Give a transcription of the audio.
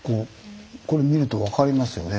これ見ると分かりますよね